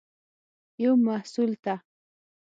یو محصول ته